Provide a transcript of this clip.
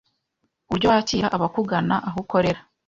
uburyo wakira abakugana aho ukorera